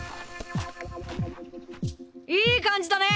いい感じだね。